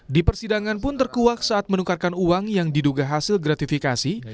di persidangan pun terkuak saat menukarkan uang yang diduga hasil gratifikasi